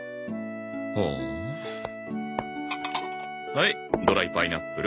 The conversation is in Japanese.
はいドライパイナップル。